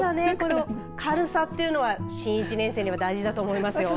軽さていうのは新１年生には大事だと思いますよ。